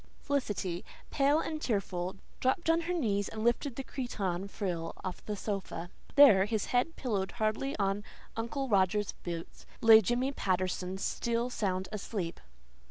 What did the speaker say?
Felicity, pale and tearful, dropped on her knees and lifted the cretonne frill of the sofa. There, his head pillowed hardly on Uncle Roger's boots, lay Jimmy Patterson, still sound asleep!